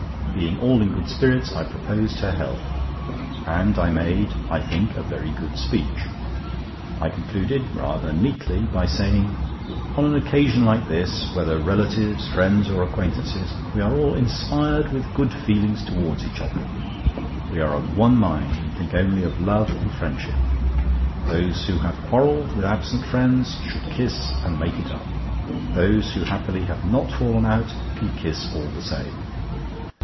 Being all in good spirits, I proposed her health, and I made, I think, a very good speech. I concluded, rather neatly, by saying: "On an occasion like this—whether relatives, friends, or acquaintances,—we are all inspired with good feelings towards each other. We are of one mind, and think only of love and friendship. Those who have quarrelled with absent friends should kiss and make it up. Those who happily have not fallen out, can kiss all the same."